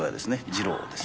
次郎です。